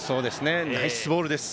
ナイスボールです。